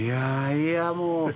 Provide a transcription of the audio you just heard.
いやもう。